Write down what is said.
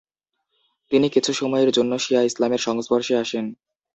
তিনি কিছু সময়ের জন্য শিয়া ইসলামের সংস্পর্শে আসেন।